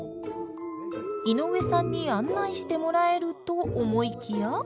井上さんに案内してもらえると思いきや。